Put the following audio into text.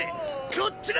こっちだ！